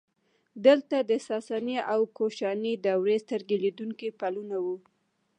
دلته د ساساني او کوشاني دورې سترګې لیدونکي پلونه وو